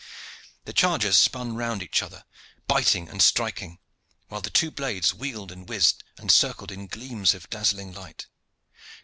The chargers spun round each other, biting and striking, while the two blades wheeled and whizzed and circled in gleams of dazzling light.